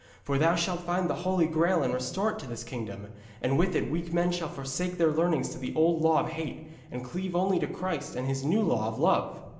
'For thou shalt find the Holy Graal and restore it to this kingdom, and with it weak men shall forsake their leanings to the old law of hate, and cleave only to Christ and His new law of love.'